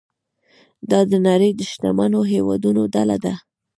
دا د نړۍ د شتمنو هیوادونو ډله ده.